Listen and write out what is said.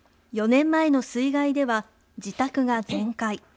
４年前の水害では、自宅が全壊。